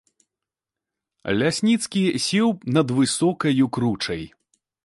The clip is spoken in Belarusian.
Лясніцкі сеў над высокаю кручай.